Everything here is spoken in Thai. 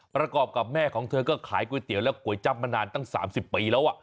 ประกอบกับแม่ของเธอก็ขายก๋วยเตี๋ยวและก๋วยจับมานานตั้ง๓๐ปีแล้ว